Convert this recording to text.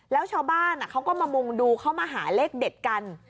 แล้วชาวบ้านเขาก็มามุงดูเขามาหาเลขเด็ดกัน